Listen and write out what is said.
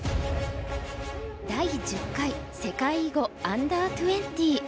第１０回世界囲碁Ｕ−２０。